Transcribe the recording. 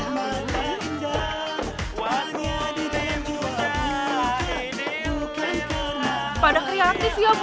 pada kreatif ya bu ya tuh anak anak pesantren kenanta ya bu